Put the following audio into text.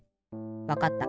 わかった。